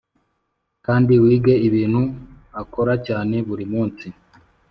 kandi wige ibintu akora cyane buri munsi